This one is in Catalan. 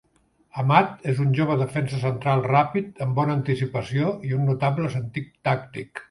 Amat és un jove defensa central ràpid, amb bona anticipació, i un notable sentit tàctic.